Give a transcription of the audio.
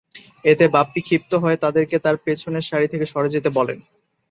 এতে বাপ্পী ক্ষিপ্ত হয়ে তাদেরকে তার পেছনের সারি থেকে সরে যেতে বলেন।